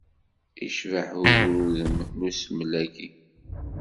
Icbeḥ ugrudem n usmel-agi.